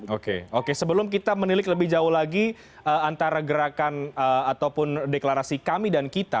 oke oke sebelum kita menilik lebih jauh lagi antara gerakan ataupun deklarasi kami dan kita